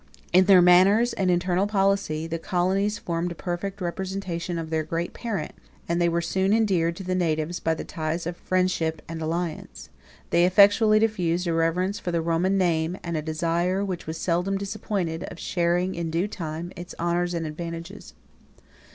In their manners and internal policy, the colonies formed a perfect representation of their great parent; and they were soon endeared to the natives by the ties of friendship and alliance, they effectually diffused a reverence for the Roman name, and a desire, which was seldom disappointed, of sharing, in due time, its honors and advantages.